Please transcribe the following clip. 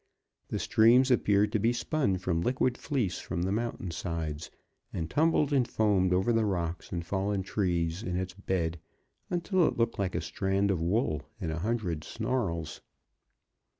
The stream appeared to be spun from liquid fleece from the mountain sides, and tumbled and foamed over the rocks and fallen trees in its bed until it looked like a strand of wool in a hundred snarls.